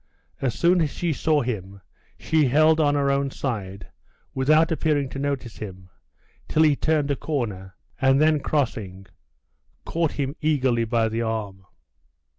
As soon as she saw him, she held on her own side, without appearing to notice him, till he turned a corner, and then crossing, caught him eagerly by the arm.